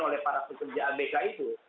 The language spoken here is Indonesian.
oleh para pekerja abk itu